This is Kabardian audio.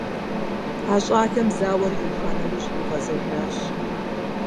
А щӏалэм зауэр иуха нэужь къигъэзэжащ…